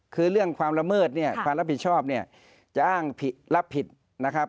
คือเรื่องความละเมิดเนี่ยความรับผิดชอบเนี่ยจะอ้างรับผิดนะครับ